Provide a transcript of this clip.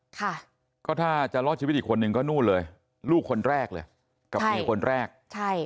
ค่ะก็ถ้าจะรอดชีวิตอีกคนนึงก็นู่นเลยลูกคนแรกเลยกับเมียคนแรกใช่